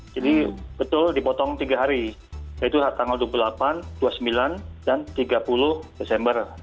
jadi betul dipotong tiga hari yaitu tanggal dua puluh delapan dua puluh sembilan dan tiga puluh desember